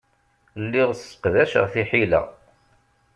Lliɣ sseqdaceɣ tiḥila.